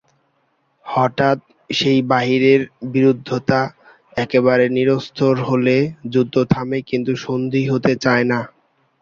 হঠাৎ সেই বাইরের বিরুদ্ধতা একেবারে নিরস্ত হলে যুদ্ধ থামে কিন্তু সন্ধি হতে চায় না।